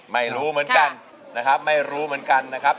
ไม่รู้เหมือนกันนะครับไม่รู้เหมือนกันนะครับ